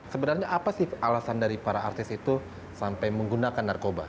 sebenarnya apa sih alasan dari para artis itu sampai menggunakan narkoba